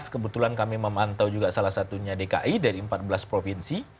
kebetulan kami memantau juga salah satunya dki dari empat belas provinsi